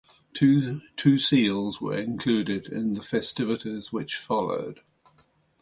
Two seals were included in the festivities which followed.